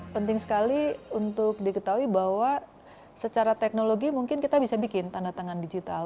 penting sekali untuk diketahui bahwa secara teknologi mungkin kita bisa bikin tanda tangan digital